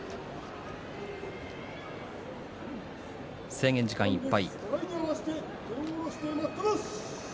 制限時間いっぱい。